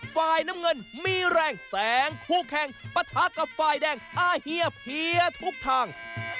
ฝ่ายน้ำเงินมีแรงแสงคู่แข่งปะทะกับฝ่ายแดงอาเฮียเพียทุกทาง